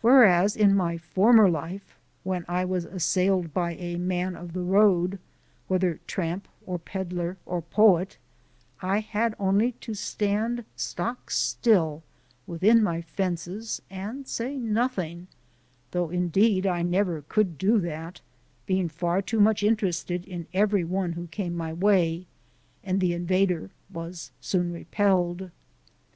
Whereas in my former life, when I was assailed by a Man of the Road, whether tramp or peddler or poet, I had only to stand stock still within my fences and say nothing though indeed I never could do that, being far too much interested in every one who came my way and the invader was soon repelled.